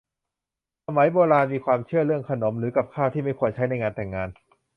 สมัยโบราณมีความเชื่อเรื่องขนมหรือกับข้าวที่ไม่ควรใช้ในงานแต่งงาน